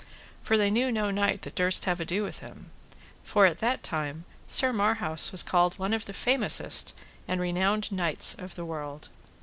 For they knew no knight that durst have ado with him. For at that time Sir Marhaus was called one of the famousest and renowned knights of the world.